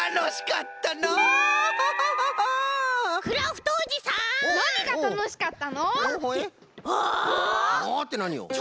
ってなによ？